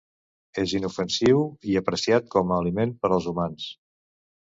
És inofensiu i apreciat com a aliment per als humans.